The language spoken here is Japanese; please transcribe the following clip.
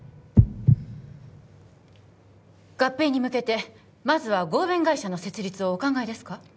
合併に向けてまずは合弁会社の設立をお考えですか？